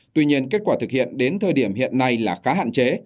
tuy nhiên kết quả thực hiện đến thời điểm hiện nay là khá hạn chế